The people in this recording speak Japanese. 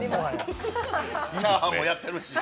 チャーハンもやってるし。